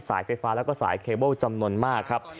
ไฟฟ้าแล้วก็สายเคเบิ้ลจำนวนมากครับ